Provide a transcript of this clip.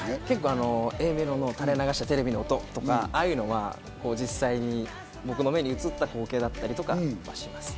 Ａメロの「垂れ流したテレビの音」とか言うのは実際に僕の目に映った光景だったりします。